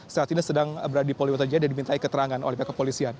saat ini sedang berada di polri dato' jaya dan diminta keterangan oleh pihak kepolisian